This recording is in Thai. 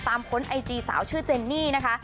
ค้นไอจีสาวชื่อเจนนี่นะคะ